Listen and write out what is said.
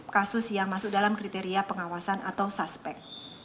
kasus yang masuk dalam kriteria pengawasan atau suspek